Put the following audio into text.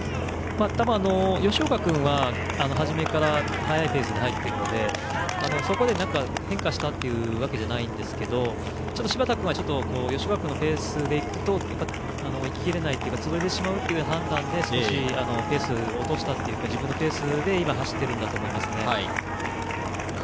多分、吉岡君は最初から速いペースで入っているのでそこで変化したわけじゃないですが柴田君は吉岡君のペースでいくと行き切れないというか潰れてしまうという判断で少し、ペースを落としたというか自分のペースで走ってるんだと思います。